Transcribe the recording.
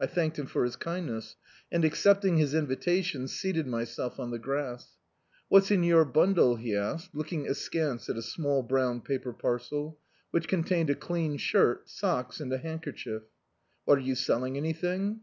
I thanked him for his kindness, and, accepting his invitation, seated myself on the grass. "What's in your bundle," he asked, looking askance at a small brown paper parcel, which contained a clean shirt, socks and a hand kerchief, "are you selling anydiing?"